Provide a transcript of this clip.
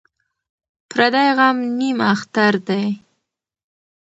ـ پردى غم نيم اختر دى.